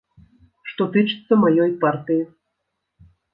Што тычыцца маёй партыі.